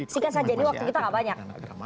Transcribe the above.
sekarang saja jadi waktu kita gak banyak